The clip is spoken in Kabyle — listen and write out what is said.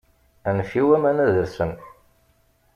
Anef i waman ad rsen.